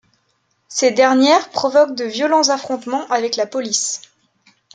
Ces dernières provoquent de violents affrontements avec la police.